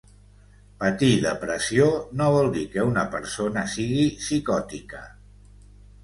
Patir depressió no vol dir que una persona sigui psicòtica.